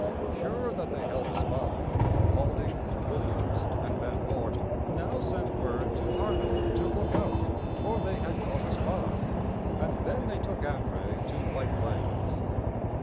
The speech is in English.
] Sure that they held a spy, Paulding, Williams, and Van Wart now sent word to Arnold to look out, for they had caught a spy, and then they took André to White Plains.